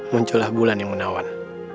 munculah bulan yang menawan